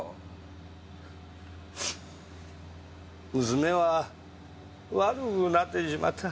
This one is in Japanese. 娘は悪くなってしまった。